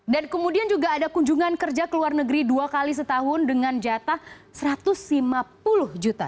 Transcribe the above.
dan kemudian juga ada kunjungan kerja ke luar negeri dua kali setahun dengan jatah satu ratus lima puluh juta